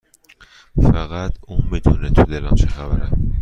فقط اون میدونه تو دلم چه خبره